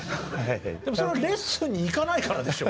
でもそれはレッスンに行かないからでしょ？